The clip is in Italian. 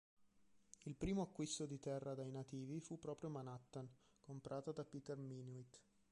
Il primo acquisto di terra dai nativi fu proprio Manhattan, comprata da Peter Minuit.